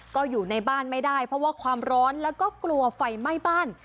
ก็อยู่ในบ้านไม่ได้เพราะว่าความร้อนแล้วก็กลัวไฟไหม้บ้าน